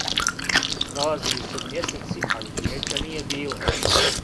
Пролазили су мјесеци, али вијећа није било.